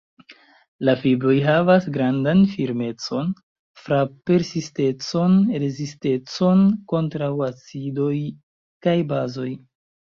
La fibroj havas grandan firmecon, frap-persistecon, rezistecon kontraŭ acidoj kaj bazoj.